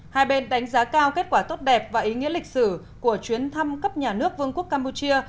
một mươi một hai bên đánh giá cao kết quả tốt đẹp và ý nghĩa lịch sử của chuyến thăm cấp nhà nước vương quốc campuchia